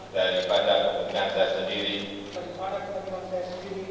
daripada kepentingan saya sendiri